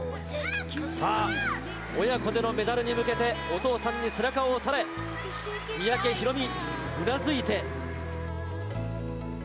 さあ、親子でのメダルに向けてお父さんに背中を押され三宅宏実、うなずいて。